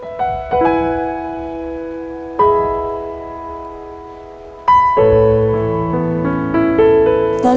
แล้วลูกสาว